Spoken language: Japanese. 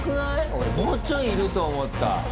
俺もうちょいいると思った。